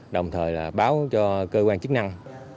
đồng thời là báo cho cơ quan chức năng